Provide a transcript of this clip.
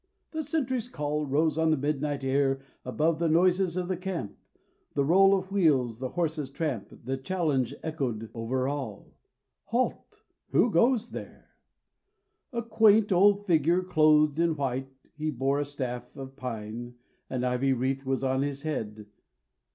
The sentry's call Rose on the midnight air Above the noises of the camp, The roll of wheels, the horses' tramp. The challenge echoed over all Halt! Who goes there? A quaint old figure clothed in white, He bore a staff of pine, An ivy wreath was on his head.